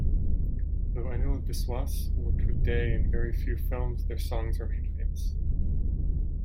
Though Anil Biswas worked with Dey in very few films, their songs remain famous.